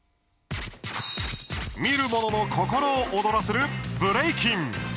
見る者の心を躍らせるブレイキン。